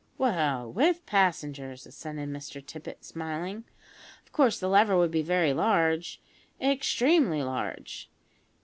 "Well with passengers," assented Mr Tippet, smiling. "Of course, the lever would be very large extremely large.